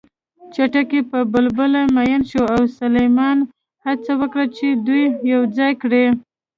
چتکي په بلبله مین شو او سلیمان ع هڅه وکړه چې دوی یوځای کړي